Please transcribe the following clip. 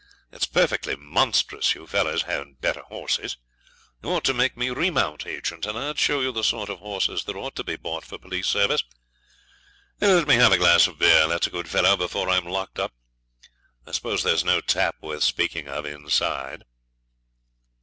It's perfectly monstrous you fellows haven't better horses. You ought to make me remount agent, and I'd show you the sort of horses that ought to be bought for police service. Let me have a glass of beer, that's a good fellow, before I'm locked up. I suppose there's no tap worth speaking of inside.'